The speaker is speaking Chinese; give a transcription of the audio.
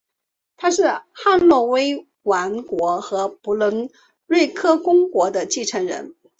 他是汉诺威王国和不伦瑞克公国的继承人。